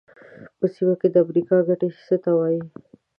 په سیمه کې د امریکا ګټې څه ته وایي.